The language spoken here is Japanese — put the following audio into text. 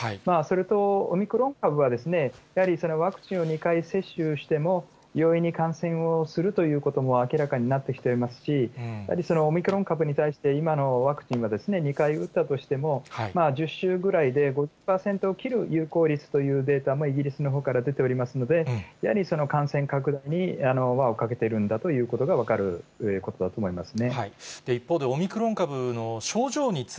それとオミクロン株は、やはりワクチンを２回接種しても、容易に感染をするということも明らかになってきておりますし、やはりオミクロン株に対して、今のワクチンは、２回打ったとしても、１０週ぐらいで５０％を切る有効率というデータもイギリスのほうから出ておりますので、やはり感染拡大に輪をかけてるんだということが分かるんだという